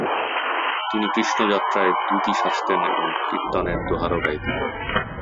তিনি কৃষ্ণ যাত্রায় দুতী সাজতেন এবং কীর্তনের দোহারও গাইতেন।